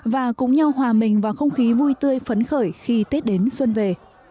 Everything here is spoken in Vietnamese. và cùng nhau hòa mình vào không khí vui tươi phấn khởi khi tết đến xuân về